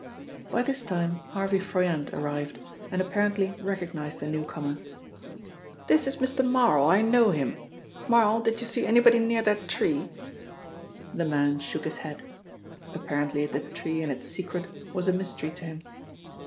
By this time Harvey Froyant arrived, and apparently recognised the newcomer. "This is Mr. Marl; I know him. Marl, did you see anybody near that tree?" The man shook his head. Apparently the tree and its secret was a mystery to him.